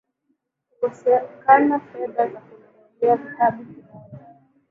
Kukosekana fedha za kununulia kitabu kimoja?